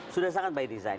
sudah sangat by design